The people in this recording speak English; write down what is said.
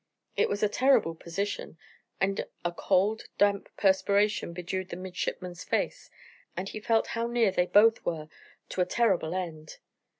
It was a terrible position; and a cold, damp perspiration bedewed the midshipman's face, as he felt how near they both were to a terrible end.